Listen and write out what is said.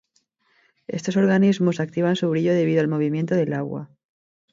Estos organismos activan su brillo debido al movimiento del agua.